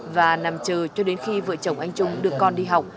và nằm chờ cho đến khi vợ chồng anh trung được con đi học